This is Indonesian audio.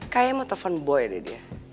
kayak mau telepon boy dia